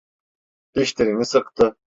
Dişlerini sıktı.